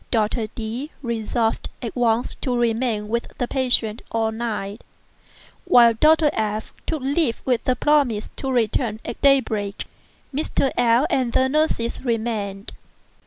Dr. D—— resolved at once to remain with the patient all night, while Dr. F—— took leave with a promise to return at daybreak. Mr. L—l and the nurses remained.